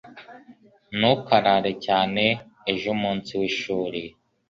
Ntukarare cyane. Ejo umunsi w'ishuri.